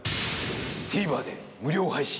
ＴＶｅｒで無料配信。